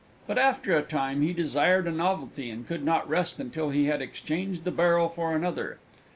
But, after a time, he desired a novelty, and could not rest until he had exchanged the barrel for another.